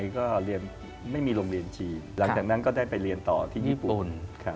ก็เรียนไม่มีโรงเรียนจีนหลังจากนั้นก็ได้ไปเรียนต่อที่ญี่ปุ่น